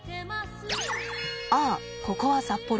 ああここは札幌。